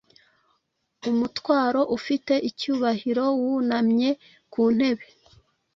Umutwaro-ufite icyubahiro wunamye ku ntebe